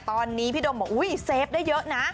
ตอนนี้พี่โดมบอกอุ๊ยเซฟได้เยอะนะ